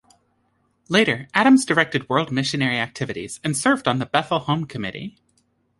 Later, Adams directed world missionary activities, and served on the "Bethel Home Committee".